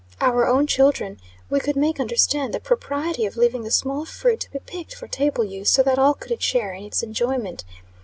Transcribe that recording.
Our own children, we could make understand the propriety of leaving the small fruit to be picked for table use, so that all could share in its enjoyment.